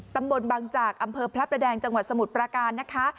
ตำบลบางจากอำเภอพระประแดงจังหวัดสมุทรประการนะคะ